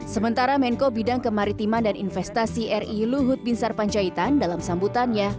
sementara menko bidang kemaritiman dan investasi ri luhut binsar panjaitan dalam sambutannya